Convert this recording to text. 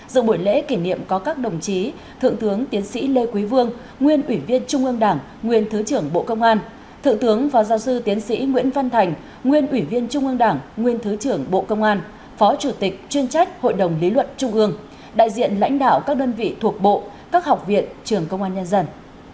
dự buổi lễ kỷ niệm có các đồng chí thượng tướng tiến sĩ lê quý vương nguyên ủy viên trung ương đảng nguyên thứ trưởng bộ công an thượng tướng phó giáo sư tiến sĩ nguyễn văn thành nguyên ủy viên trung ương đảng nguyên thứ trưởng bộ công an phó chủ tịch chuyên trách hội đồng lý luận trung ương đại diện lãnh đạo các đơn vị thuộc bộ các học viện trường công an nhân dân